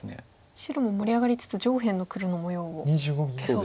白も盛り上がりつつ上辺の黒の模様を消そうと。